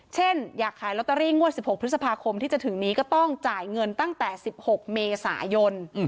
อยากขายลอตเตอรี่งวด๑๖พฤษภาคมที่จะถึงนี้ก็ต้องจ่ายเงินตั้งแต่๑๖เมษายน